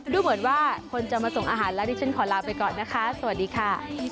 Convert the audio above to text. ดูเหมือนว่าคนจะมาส่งอาหารแล้วดิฉันขอลาไปก่อนนะคะสวัสดีค่ะ